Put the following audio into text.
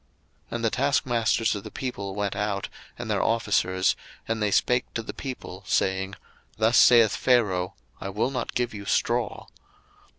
02:005:010 And the taskmasters of the people went out, and their officers, and they spake to the people, saying, Thus saith Pharaoh, I will not give you straw.